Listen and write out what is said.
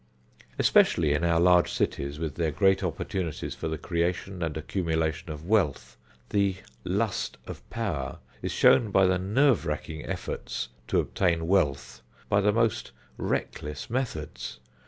Especially in our large cities with their great opportunities for the creation and accumulation of wealth, the "lust of power" is shown by the nerve racking efforts to obtain wealth by the most reckless methods.